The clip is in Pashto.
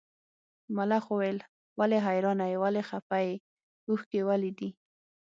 ملخ وویل ولې حیرانه یې ولې خپه یې اوښکي ولې دي.